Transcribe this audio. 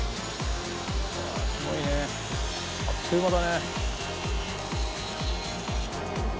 うわっすごいね。あっという間だね。